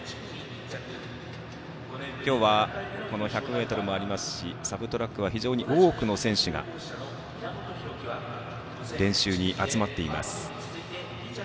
今日は１００ｍもありますしサブトラックは非常に多くの選手が練習に集まっています。